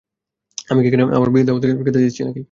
আমি কি এখানে আমার বিয়ের দাওয়াত দিচ্ছি?